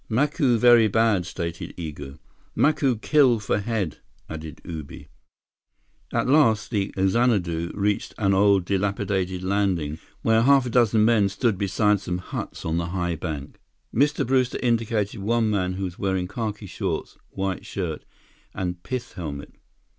"Macu very bad," stated Igo. "Macu kill for head," added Ubi. At last the Xanadu reached an old, dilapidated landing, where half a dozen men stood beside some huts on the high bank. Mr. Brewster indicated one man who was wearing khaki shorts, white shirt, and pith helmet.